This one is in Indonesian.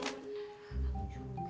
kamu juga lagi aduh